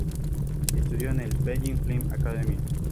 Estudió en el "Beijing Film Academy".